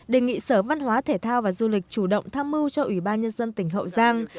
đề nghị sở văn hóa thể thao và du lịch chủ động tham mưu cho ủy ban nhân dân tỉnh hậu giang